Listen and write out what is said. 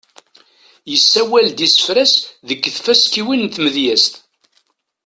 Yessawal-d isefra-s deg tfaskiwin n tmedyezt.